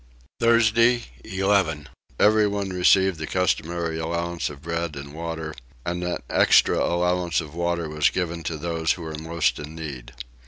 Thursday 11. Everyone received the customary allowance of bread and water, and an extra allowance of water was given to those who were most in need.